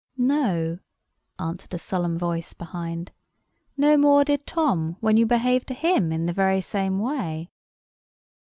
"No," answered a solemn voice behind. "No more did Tom, when you behaved to him in the very same way."